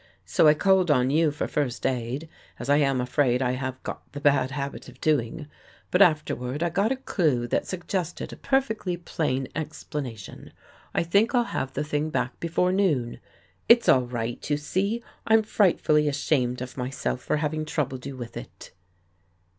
So I called on you for First Aid, as I am afraid I have got the bad habit of doing. But afterward I got a clew that suggested a perfectly plain explana tion. I think I'll have the thing back before noon. It's all right, you see. I'm frightfully ashamed of myself for having troubled you with it."